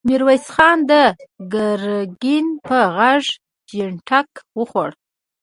ميرويس خان د ګرګين په غږ جټکه وخوړه!